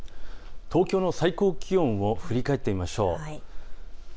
東京の最高気温を振り返ってみましょう。